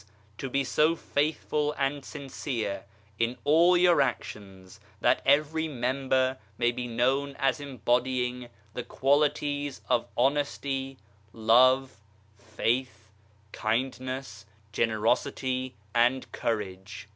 To be so faithful and sincere in all your actions that every member may be known as embodying the BAHA'U'LLAH 67 qualities of honesty, love, faith, kindness, generosity, and courage.